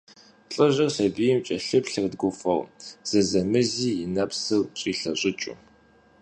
ЛӀыжьыр сабийм кӀэлъыплъырт гуфӀэу, зэзэмызи и нэпсыр щӀилъэщӀыкӀыу.